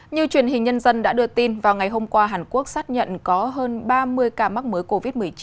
như truyền hình nhân dân đã đưa tin vào ngày hôm qua hàn quốc xác nhận có hơn ba mươi ca mắc mới covid một mươi chín